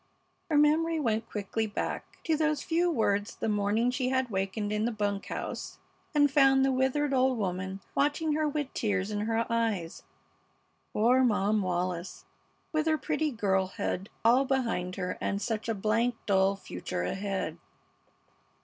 Her memory went quickly back to those few words the morning she had wakened in the bunk house and found the withered old woman watching her with tears in her eyes. Poor Mom Wallis, with her pretty girlhood all behind her and such a blank, dull future ahead!